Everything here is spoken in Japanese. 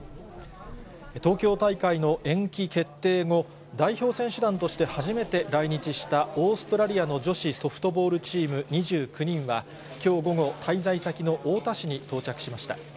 東京大会の延期決定後、代表選手団として初めて来日したオーストラリアの女子ソフトボールチーム２９人は、きょう午後、滞在先の太田市に到着しました。